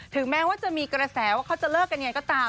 แม้ว่าจะมีกระแสว่าเขาจะเลิกกันยังไงก็ตาม